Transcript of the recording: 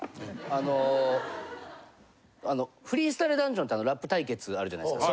あのフリースタイルダンジョンってラップ対決あるじゃないですか。